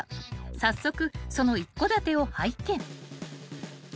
［早速その一戸建てを拝見］